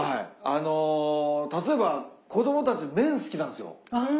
あの例えば子供たち麺好きなんですよ。